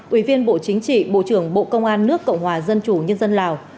ủy viên bộ chính trị bộ trưởng bộ công an nước cộng hòa dân chủ nhân dân lào